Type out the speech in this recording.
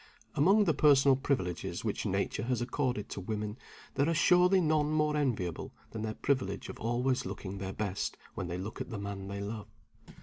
Among the personal privileges which Nature has accorded to women, there are surely none more enviable than their privilege of always looking their best when they look at the man they love.